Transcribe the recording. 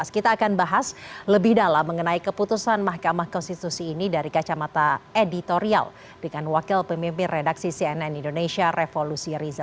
kita akan bahas lebih dalam mengenai keputusan mahkamah konstitusi ini dari kacamata editorial dengan wakil pemimpin redaksi cnn indonesia revolusi riza